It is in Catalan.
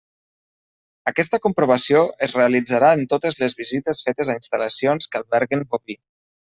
Aquesta comprovació es realitzarà en totes les visites fetes a instal·lacions que alberguen boví.